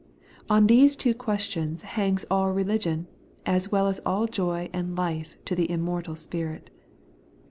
On these two questions hangs all religion, as well as all joy and life to the immortal spirit.